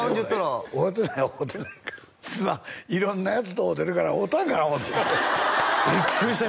俺会うてない会うてないんかすまん色んなヤツと会うてるから会うたんかな思うてビックリした